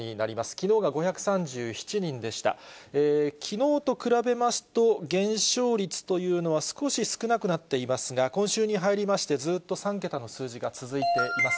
きのうと比べますと、減少率というのは少し少なくなっていますが、今週に入りまして、ずっと３桁の数字が続いています。